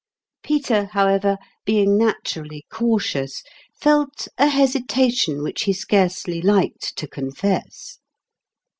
Peter, however, being naturally cautious, felt a hesitation which he scarcely liked to confess.